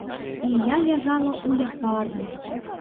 І я ляжала ў лякарні.